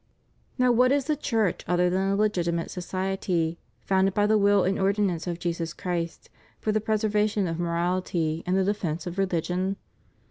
Now what is the Church other than a legitimate society, founded by the will and ordinance of Jesus Christ for the preserva tion of moraUty and the defence of reUgion?